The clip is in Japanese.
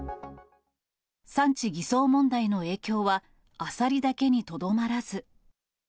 産地偽装問題の影響は、アサリだけにとどまらず。